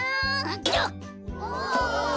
お。